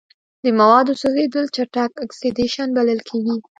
د موادو سوځیدل چټک اکسیدیشن بلل کیږي.